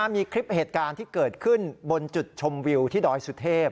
มีคลิปเหตุการณ์ที่เกิดขึ้นบนจุดชมวิวที่ดอยสุเทพ